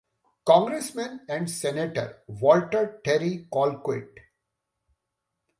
Congressman and Senator, Walter Terry Colquitt.